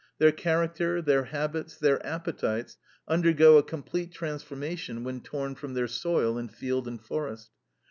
Their character, their habits, their appetites undergo a complete transformation when torn from their soil in field and forest.